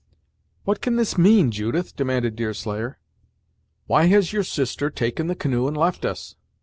"What can this mean, Judith?" demanded Deerslayer "Why has your sister taken the canoe, and left us?"